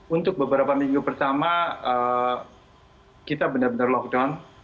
untuk beberapa minggu pertama kita benar benar lockdown